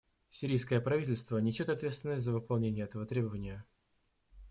Сирийское правительство несет ответственность за выполнение этого требования.